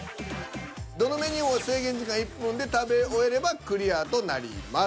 どのメニューも制限時間１分で食べ終えればクリアとなります。